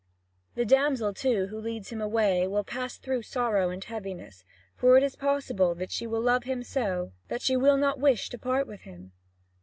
The damsel, too, who leads him away, will pass through sorrow and heaviness. For it is possible that she will love him so that she will not wish to part with him.